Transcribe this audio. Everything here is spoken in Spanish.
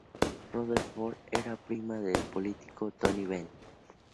Rutherford era prima del político Tony Benn.